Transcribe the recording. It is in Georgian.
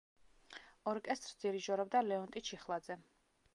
ორკესტრს დირიჟორობდა ლეონტი ჩიხლაძე.